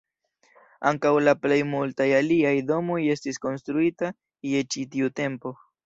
Ankaŭ la plej multaj aliaj domoj estis konstruita je ĉi tiu tempo.